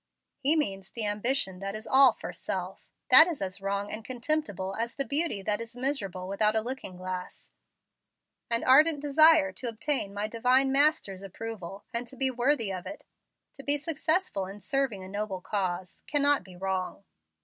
"He means the ambition that is all for self. That is as wrong and contemptible as the beauty that is miserable without a looking glass. An ardent desire to obtain my Divine Master's approval, and to be worthy of it to be successful in serving a noble cause cannot be wrong."